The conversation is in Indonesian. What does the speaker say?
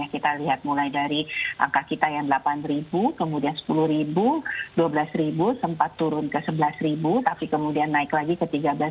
kita lihat mulai dari angka kita yang delapan kemudian sepuluh dua belas sempat turun ke sebelas tapi kemudian naik lagi ke tiga belas